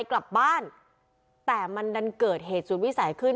กลับบ้านแต่มันดันเกิดเหตุสุดวิสัยขึ้น